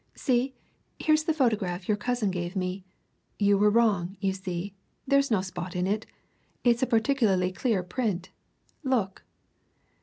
See here's the photograph your cousin gave me. You were wrong, you see there's no spot in it it's a particularly clear print. Look!"